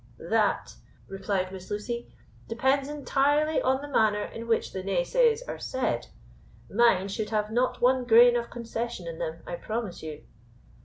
"That," replied Miss Lucy, "depends entirely on the manner in which the nay says are said. Mine should have not one grain of concession in them, I promise you."